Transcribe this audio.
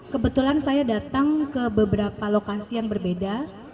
kebetulan saya datang ke beberapa lokasi yang berbeda